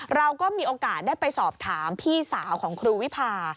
เราก็มีโอกาสได้ไปสอบถามพี่สาวของครูวิพา